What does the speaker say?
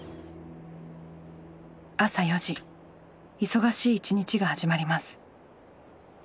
忙しい一日が始まります。